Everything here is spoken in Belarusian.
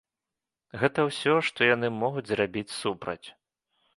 Гэта ўсё, што яны могуць зрабіць супраць.